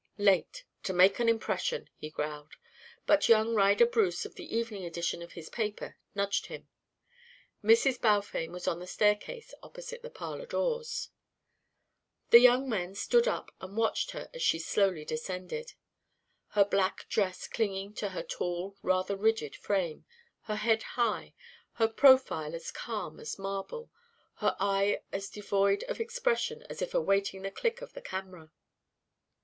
"Late to make an impression!" he growled, but young Ryder Bruce of the evening edition of his paper nudged him. Mrs. Balfame was on the staircase opposite the parlour doors. The young men stood up and watched her as she slowly descended, her black dress clinging to her tall rather rigid figure, her head high, her profile as calm as marble, her eye as devoid of expression as if awaiting the click of the camera.